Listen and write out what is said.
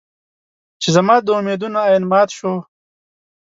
چې زما د امېدونو ائين مات شو